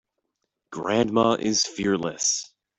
Grandma is fearless.